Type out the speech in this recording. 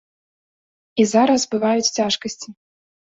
І зараз бываюць цяжкасці.